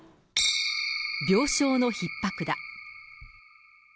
病床のひっ迫だ。